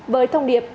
với thông điệp